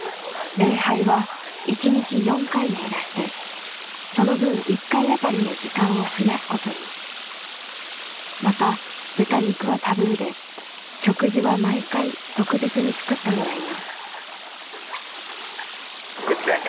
礼拝は１日４回に減らしてその分１回当たりの時間を増やすことにまた豚肉はタブーで食事は毎回特別に作ってもらいます